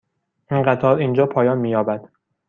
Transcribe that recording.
این قطار اینجا پایان می یابد.